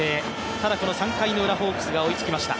ただこの３回のウラ、ホークスが追いつきました。